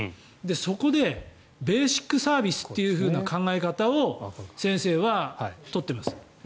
そこでベーシックサービスという考え方を先生は取っています。